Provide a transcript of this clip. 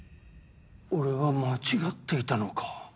俺は間違っていたのか。